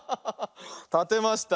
たてました。